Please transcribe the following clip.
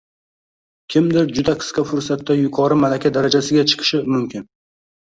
Kimdir juda qisqa fursatda yuqori malaka darajasiga chiqishi mumkin